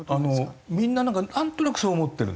みんななんかなんとなくそう思ってるんです。